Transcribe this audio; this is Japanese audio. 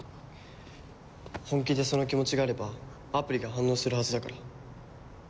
本気でその気持ちがあればアプリが反応するはずだから。